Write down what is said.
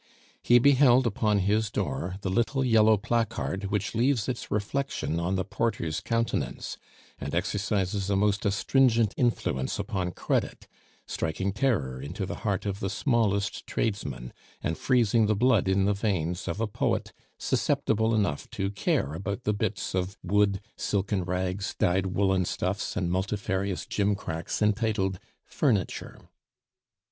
He beheld upon his door the little yellow placard which leaves its reflection on the porter's countenance, and exercises a most astringent influence upon credit; striking terror into the heart of the smallest tradesman, and freezing the blood in the veins of a poet susceptible enough to care about the bits of wood, silken rags, dyed woolen stuffs, and multifarious gimcracks entitled furniture.